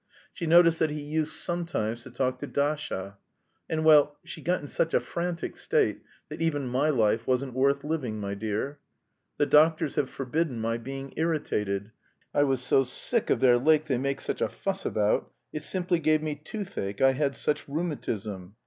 She noticed that he used sometimes to talk to Dasha; and, well, she got in such a frantic state that even my life wasn't worth living, my dear. The doctors have forbidden my being irritated, and I was so sick of their lake they make such a fuss about, it simply gave me toothache, I had such rheumatism.